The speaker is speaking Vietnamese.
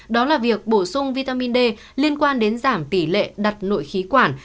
đó là việc bổ sung vitamin d liên quan đến giảm tỷ lệ đặt nội khí quản